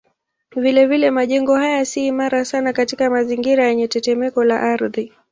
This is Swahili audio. Vilevile majengo haya si imara sana katika mazingira yenye tetemeko la ardhi.